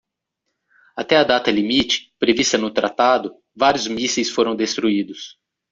Até a data-limite, prevista no tratado, vários mísseis foram destruídos.